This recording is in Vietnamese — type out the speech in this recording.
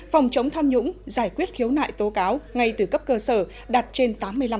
phòng chống tham nhũng giải quyết khiếu nại tố cáo ngay từ cấp cơ sở đạt trên tám mươi năm